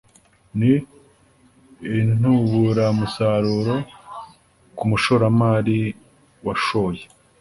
n intuburamusaruro ku mushoramari washoye